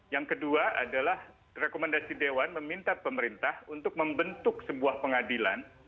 yang kedua adalah rekomendasi dewan meminta pemerintah untuk membentuk sebuah pengadilan